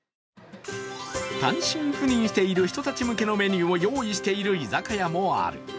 単身赴任している人たち向けのメニューを用意している居酒屋もある。